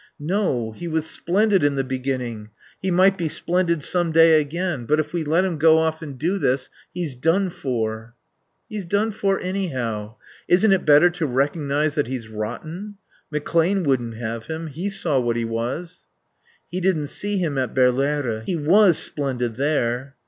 "No. He was splendid in the beginning. He might be splendid some day again. But if we let him go off and do this he's done for." "He's done for anyhow. Isn't it better to recognize that he's rotten? McClane wouldn't have him. He saw what he was." "He didn't see him at Berlaere. He was splendid there."